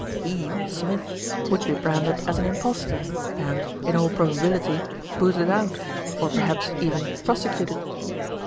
He, Smith, would be branded as an im postor and, in all probability, booted out, or perhaps even prosecuted.